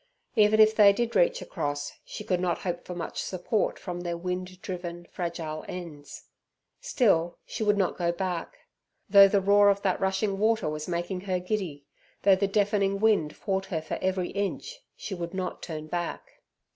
Even if they did reach across, she could not hope for much support from their wind driven, fragile ends. Still she would not go back. Though the roar of that rushing water was making her giddy, though the deafening wind fought her for every inch, she would not turn back.